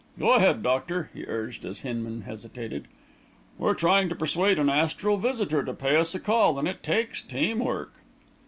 Go ahead, doctor," he urged, as Hinman hesitated. "We're trying to persuade an astral visitor to pay us a call, and it takes team work."